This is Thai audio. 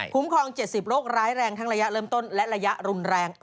ครอง๗๐โรคร้ายแรงทั้งระยะเริ่มต้นและระยะรุนแรง